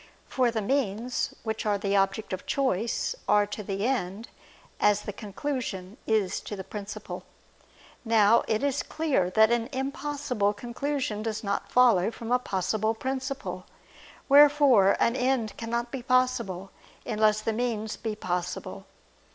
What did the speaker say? For the means, which are the object of choice, are to the end, as the conclusion is to the principle. Now it is clear that an impossible conclusion does not follow from a possible principle. Wherefore an end cannot be possible, unless the means be possible.